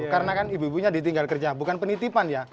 karena kan ibu ibunya ditinggal kerja bukan penitipan ya